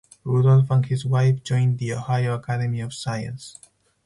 Rudolph and his wife joined the Ohio Academy of Science.